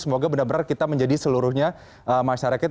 semoga benar benar kita menjadi seluruhnya masyarakat